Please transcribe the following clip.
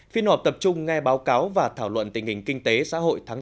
phiên họp tập trung nghe báo cáo và thảo luận tình hình kinh tế xã hội tháng bốn